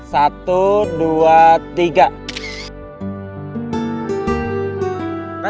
satu dua tiga